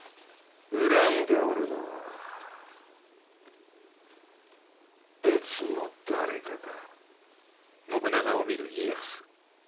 恨んでおるのは別の誰かか？